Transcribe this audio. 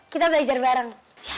kita belajar bareng